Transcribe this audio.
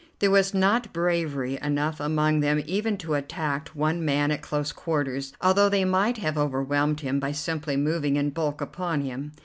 There was not bravery enough among them even to attack one man at close quarters, although they might have overwhelmed him by simply moving in bulk upon him.